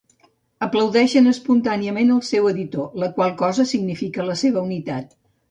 Aplaudeixen espontàniament el seu editor, la qual cosa significa la seva unitat.